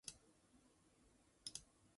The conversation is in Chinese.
现任院牧为高豪神父。